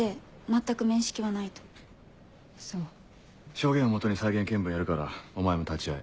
証言を基に再現見分やるからお前も立ち会え。